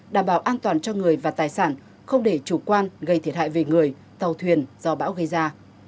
đảm bảo an toàn cho người và tài sản không để chủ quan gây thiệt hại về người tàu thuyền do bão gây ra